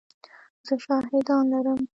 زه شاهدان لرم !